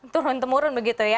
temurun temurun begitu ya